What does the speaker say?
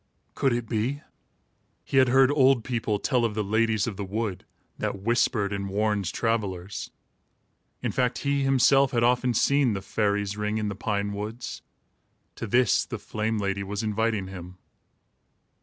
Could it be? He had heard old people tell of the ladies of the wood, that whispered and warned travellers. In fact, he himself had often seen the "fairies' ring" in the pine woods. To this, the flame lady was inviting him.